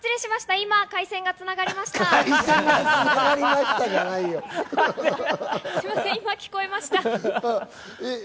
今、回線が繋がりました。